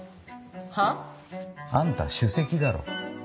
はぁ？あんた首席だろ。